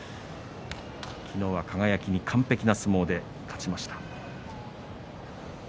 昨日は輝に完璧な相撲で勝ちました。